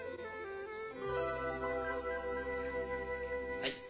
はい。